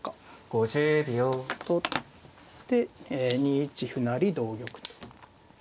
取って２一歩成同玉と。